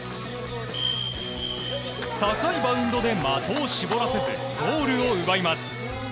高いバウンドで的を絞らせずゴールを奪います。